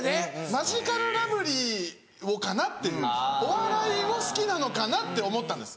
マヂカルラブリーをかなっていうお笑いを好きなのかなって思ったんです。